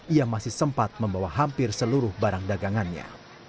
ia masih sempat membawa hampir seluruh barang dagangannya